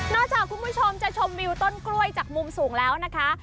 จากคุณผู้ชมจะชมวิวต้นกล้วยจากมุมสูงแล้วนะคะ